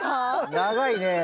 長いね。